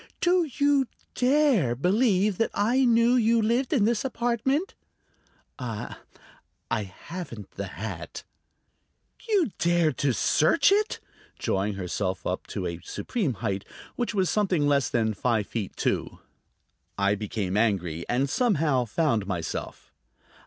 "Do you dare believe that I knew you lived in this apartment?" "I ... haven't the hat." "You dared to search it?" drawing herself up to a supreme height, which was something less than five feet two. I became angry, and somehow found myself.